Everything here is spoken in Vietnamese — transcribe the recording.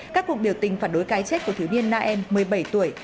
các cuộc điều tình phản đối cái chết của thiếu niên naem một mươi bảy tuổi